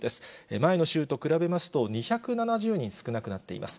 前の週と比べますと、２７０人少なくなっています。